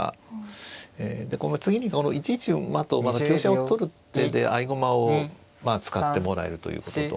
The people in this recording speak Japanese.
で次に１一馬と香車を取る手で合駒を使ってもらえるということと。